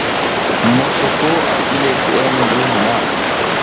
Mosoko a gi teʼe ngi mbulum hana.